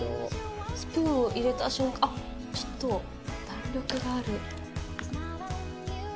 スプーンを入れた瞬間、あっ、ちょっと弾力がある。